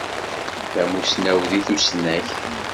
D amussnaw deg tussnakt.